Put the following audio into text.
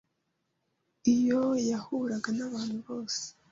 Iyo yahuraga n’abantu bose